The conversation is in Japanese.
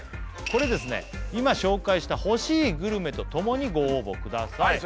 これですね今紹介した欲しいグルメとともにご応募ください